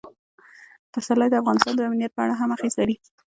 پسرلی د افغانستان د امنیت په اړه هم اغېز لري.